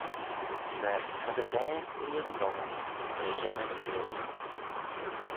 Myr ta dty vaase, Illiam Dhone, brishey nyn gree.